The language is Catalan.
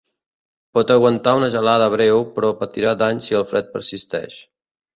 Pot aguantar una gelada breu però patirà danys si el fred persisteix.